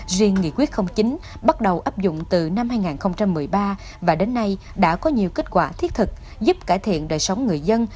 riêng nghị quyết chín bắt đầu áp dụng từ năm hai nghìn một mươi ba và đến nay đã có nhiều kết quả thiết thực giúp cải thiện đời sống người dân